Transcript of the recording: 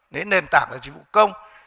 nên nền tảng là dịch vụ công